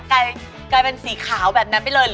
กลายเป็นสีขาวแบบนั้นไปเลยเหรอ